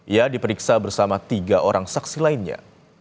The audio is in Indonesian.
ia diperiksa bersama tiga orang saksi lainnya